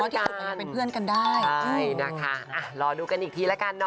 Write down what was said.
เป็นเพื่อนกันใช่นะคะรอดูกันอีกทีแล้วกันนะ